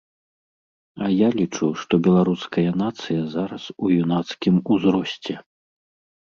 А я лічу, што беларуская нацыя зараз у юнацкім узросце.